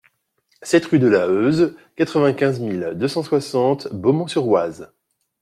sept rue de la Heuse, quatre-vingt-quinze mille deux cent soixante Beaumont-sur-Oise